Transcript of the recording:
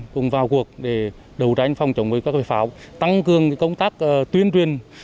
cùng vào cuộc để đấu tranh phòng chống với các loài pháo tăng cương công tác tuyên truyền